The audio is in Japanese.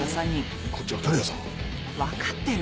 分かってる。